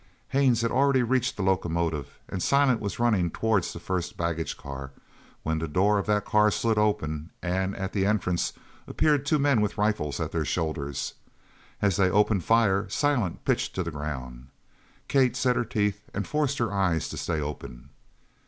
Haines had already reached the locomotive and Silent was running towards the first baggage car when the door of that car slid open and at the entrance appeared two men with rifles at their shoulders. As they opened fire Silent pitched to the ground. Kate set her teeth and forced her eyes to stay open.